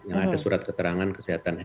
dan ada surat keterangan kesehatan di dagingnya